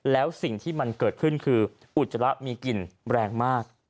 แล้วสิ่งที่มันเกิดขึ้นคืออุจจาระมีกลิ่นแรงมาก